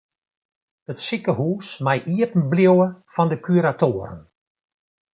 It sikehús mei iepen bliuwe fan de kuratoaren.